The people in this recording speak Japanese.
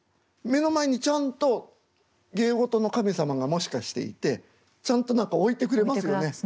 目の前にちゃんと芸事の神様がもしかしていてちゃんと何か置いてくれますよね。